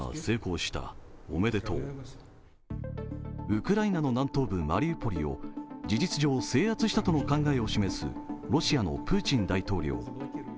ウクライナの南東部マリウポリを事実上制圧したとの考えを示すロシアのプーチン大統領。